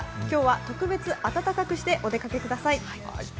今日は特別暖かくしてお出かけください。